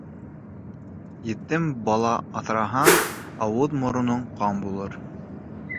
Етем бала аҫраһаң, ауыҙ-мороноң ҡан булыр.